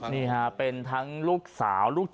นี่ฮะเป็นทั้งลูกสาวลูกชาย